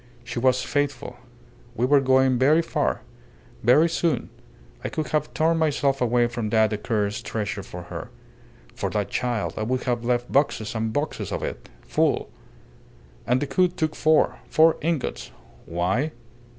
"She was faithful. We were going very far very soon. I could have torn myself away from that accursed treasure for her. For that child I would have left boxes and boxes of it full. And Decoud took four. Four ingots. Why?